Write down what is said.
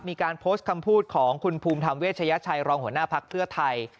มีการโพสต์คำพูดของคุณภูมิธรรมเวชยชัยรองหัวหน้าภักดิ์เพื่อไทย